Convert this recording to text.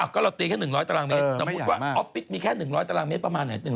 ก็เราตีแค่๑๐๐ตารางเมตรสมมุติว่าออฟฟิศมีแค่๑๐๐ตารางเมตรประมาณไหน